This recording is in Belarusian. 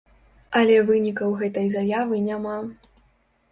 Але вынікаў гэтай заявы няма.